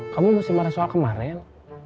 kamu mesti marah soal kemarin